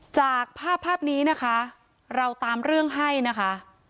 จากภาพภาพนี้นะคะเราตามเรื่องให้นะคะ